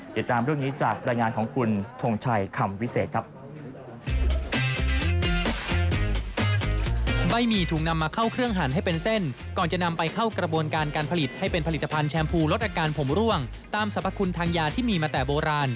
ติดตามเรื่องนี้จากรายงานของคุณทงชัยคำวิเศษครับ